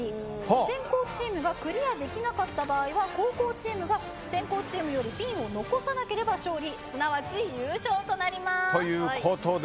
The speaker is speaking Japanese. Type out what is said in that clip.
先攻チームがクリアできなかった場合は後攻チームが先攻チームよりピンを残さなければ勝利すなわち優勝となります。